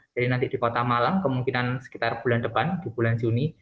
jadi nanti di kota malang kemungkinan sekitar bulan depan di bulan juni